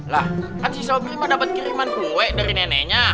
lah kan si sobrima dapat kiriman kue dari neneknya